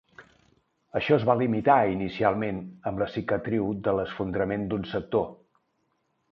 Això es va limitar inicialment amb la cicatriu de l'esfondrament d'un sector.